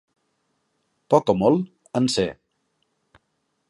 Poc o molt, en sé.